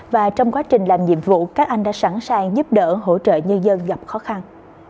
và trong quá trình làm nhiệm vụ các anh đã sẵn sàng giúp đỡ hỗ trợ nhân dân gặp khó khăn